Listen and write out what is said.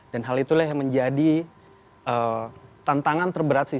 dan hal itulah yang menjadi tantangan terberat sih